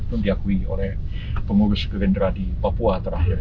yang diakui oleh pengurus gerindra di papua terakhir